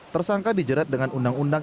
tersangka dijerat dengan undang undang